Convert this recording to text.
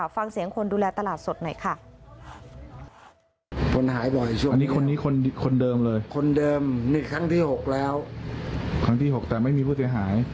ฟังเสียงคนดูแลตลาดสดหน่อยค่ะ